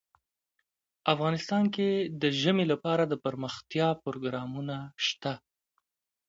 افغانستان کې د ژمی لپاره دپرمختیا پروګرامونه شته.